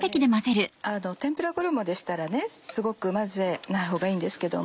天ぷら衣でしたらすごく混ぜないほうがいいんですけども。